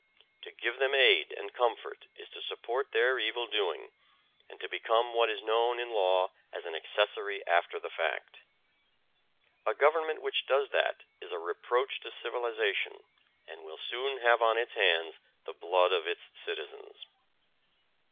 To give them aid and comfort is to support their evil doing and to become what is known in law as an accessory after the fact. A government which does that is a reproach to civilization and will soon have on its hands the blood of its citizens.